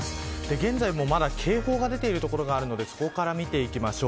現在も、まだ警報が出ている所があるのでそこから見ていきましょう。